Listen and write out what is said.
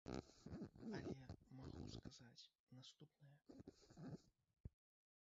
Але магу сказаць наступнае.